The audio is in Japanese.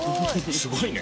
すごいね。